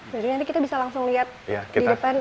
jadi nanti kita bisa langsung lihat di depan